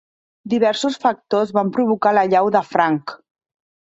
Diversos factors van provocar l'allau de Frank.